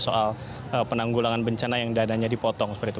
soal penanggulangan bencana yang dananya dipotong